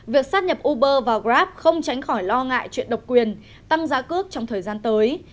việc sát nhập uber và grab không tránh khỏi lo ngại chuyện độc quyền tăng giá cước trong thời gian tới